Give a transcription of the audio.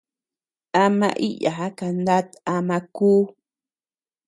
Ama iʼyaa kanat ama kuu.